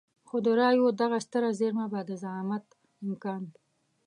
خو د رايو دغه ستره زېرمه به د زعامت امکان.